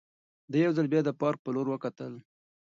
ده یو ځل بیا د پارک په لور وکتل.